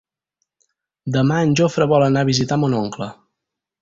Demà en Jofre vol anar a visitar mon oncle.